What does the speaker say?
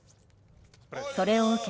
それを受け